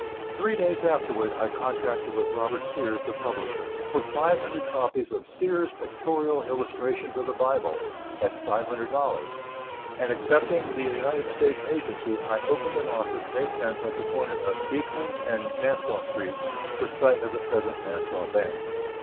Three days afterwards I contracted with Robert Sears, the publisher, for five hundred copies of "Sears' Pictorial Illustrations of the Bible," at $500, and accepting the United States agency, I opened an office, May 10th, at the corner of Beekman and Nassau Streets, the site of the present Nassau Bank.